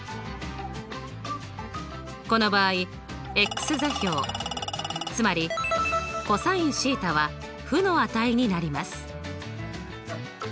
この場合座標つまりｃｏｓθは負の値になります。